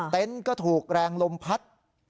เต็นต์ก็ถูกแรงลมพัด